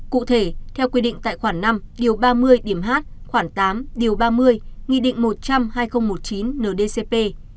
cụ thể theo quy định tại khoảng năm ba mươi h khoảng tám ba mươi ng một mươi hai nghìn một mươi chín ndcp